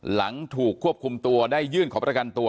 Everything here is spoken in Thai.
หลังถูกควบคุมตัวได้ยื่นขอประกันตัว